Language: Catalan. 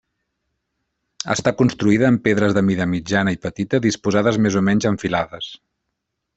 Està construïda amb pedres de mida mitjana i petita, disposades més o menys en filades.